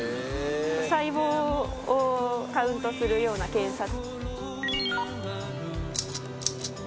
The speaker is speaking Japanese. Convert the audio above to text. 細胞をカウントするような検査。